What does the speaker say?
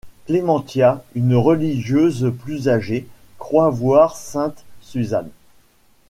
Klementia, une religieuse plus âgée, croit voir sainte Suzanne.